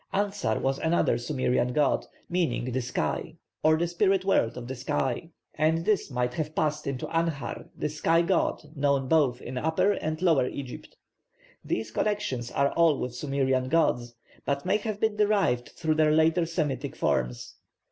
Ansar was another Sumerian god, meaning 'the sky,' or the spirit world of the sky; and this might have passed into Anhar, the sky god, known both in Upper and Lower Egypt. These connections are all with Sumerian gods, but may have been derived through their later Semitic forms.